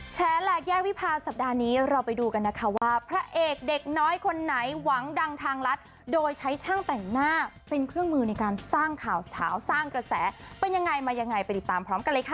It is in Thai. แหลกแยกวิพาสัปดาห์นี้เราไปดูกันนะคะว่าพระเอกเด็กน้อยคนไหนหวังดังทางรัฐโดยใช้ช่างแต่งหน้าเป็นเครื่องมือในการสร้างข่าวเฉาสร้างกระแสเป็นยังไงมายังไงไปติดตามพร้อมกันเลยค่ะ